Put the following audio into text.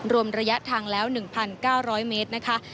รวมระยะทางแล้ว๑๙๐๐เมตรนะคะ